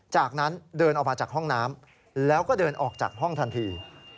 จากนั้นเดินออกมาจากห้องน้ำแล้วก็เดินออกจากห้องทันที